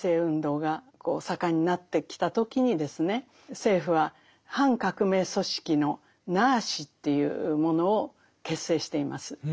政府は反革命組織の「ＮＡＳＨ」というものを結成しています。